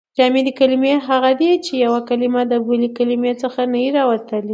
جامدي کلیمې هغه دي، چي یوه کلیمه د بلي کلیمې څخه نه يي راوتلي.